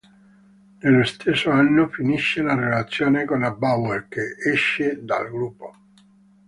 Nello stesso anno finisce la relazione con la Bauer, che esce dal gruppo.